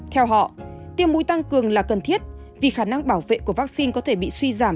theo họ tiêm mũi tăng cường là cần thiết vì khả năng bảo vệ của vaccine có thể bị suy giảm